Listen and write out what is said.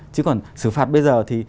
chứ còn xử phạt bây giờ thì